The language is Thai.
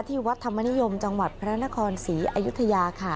ที่วัดธรรมนิยมจังหวัดพระนครศรีอยุธยาค่ะ